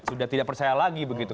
sudah tidak percaya lagi begitu